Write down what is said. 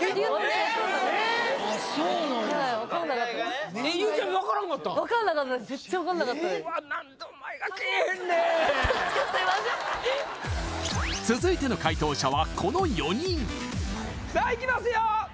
すいません続いての解答者はこの４人さあいきますよ